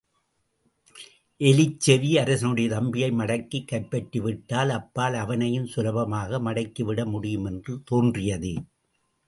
எலிச்செவி அரசனுடைய தம்பியை மடக்கிக் கைப்பற்றி விட்டால் அப்பால் அவனையும் சுலபமாக மடக்கிவிட முடியும் என்று தோன்றியது.